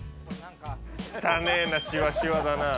きたねえな、しわしわだな。